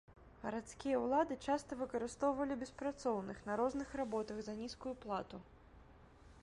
Гарадскія ўлады часта выкарыстоўвалі беспрацоўных на розных работах за нізкую плату.